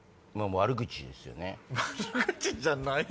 悪口じゃない！